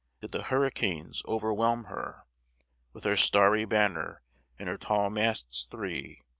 Did the hurricanes o'erwhelm her With her starry banner and her tall masts three?